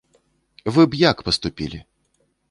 Вы б як паступілі?